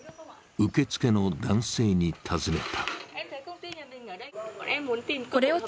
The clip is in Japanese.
受付の男性に尋ねた。